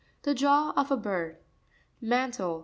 The jaw of a bird. Man'tLte.